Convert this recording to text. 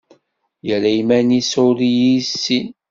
Yerra iman-is ur iy-issin.